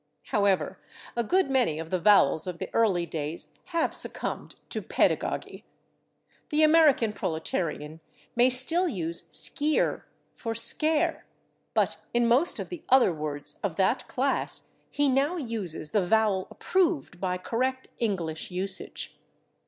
However, a good many of the vowels of the early days have [Pg237] succumbed to pedagogy. The American proletarian may still use /skeer/ for /scare/, but in most of the other words of that class he now uses the vowel approved by correct English usage.